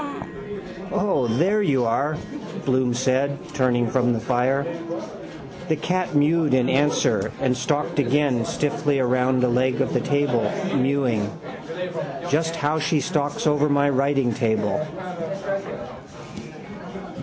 —Mkgnao! —O, there you are, Mr Bloom said, turning from the fire. The cat mewed in answer and stalked again stiffly round a leg of the table, mewing. Just how she stalks over my writingtable.